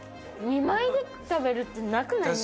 ２枚で食べるってなくない？